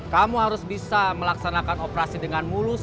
kamu harus bisa melaksanakan operasi dengan mulus